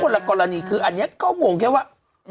แต่คนละกรณีอันนี้เกราะขูงแค่ว่า